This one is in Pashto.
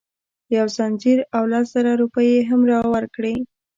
یو ځنځیر او لس زره روپۍ یې هم ورکړې.